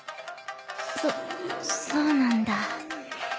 そそうなんだ。